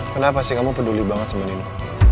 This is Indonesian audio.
kenapa sih kamu peduli banget sama ini